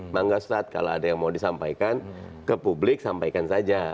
bang ustadz kalau ada yang mau disampaikan ke publik sampaikan saja